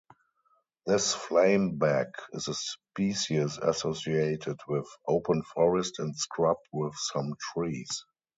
This flameback is a species associated with open forest and scrub with some trees.